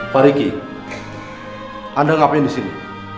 pak ricky anda ngapain disini